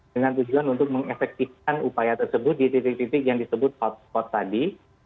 dengan tujuan untuk mengefektifkan upaya tersebut di titik titik yang disebut hotspot tadi